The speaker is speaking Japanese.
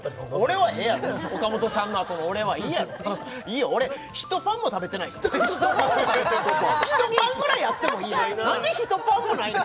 俺はええやろ岡本さんのあとの俺はいいやろいいよ俺ひとパンも食べてないからひとパンも食べてへんひとパンぐらいあってもいいやろ何でひとパンもないねん